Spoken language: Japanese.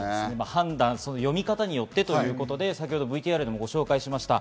判断、読み方によってということで、ＶＴＲでもご紹介しました。